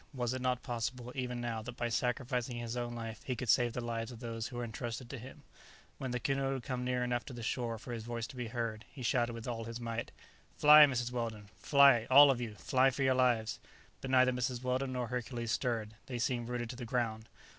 Was it not possible even now that by sacrificing his own life he could save the lives of those that were entrusted to him? When the canoe had come near enough to the shore for his voice to be heard, he shouted with all his might, "Fly, Mrs. Weldon; fly, all of you; fly for your lives!" But neither Mrs. Weldon nor Hercules stirred; they seemed rooted to the ground.